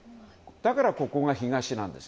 だから、ここが東なんです。